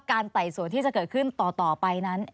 ไต่สวนที่จะเกิดขึ้นต่อไปนั้น